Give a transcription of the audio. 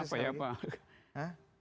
kenapa ya pak